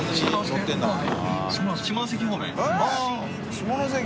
下関。